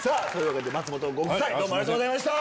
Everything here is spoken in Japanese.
松本ご夫妻どうもありがとうございました！